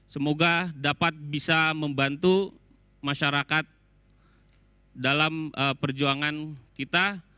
semoga dapat bisa membantu masyarakat dalam perjuangan kita